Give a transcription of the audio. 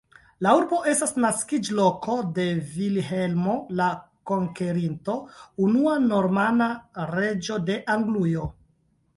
La urbo estas naskiĝloko de Vilhelmo la Konkerinto, unua normana reĝo de Anglujo.